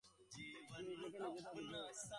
উনি নিজেই নাকি তার যোগ্য!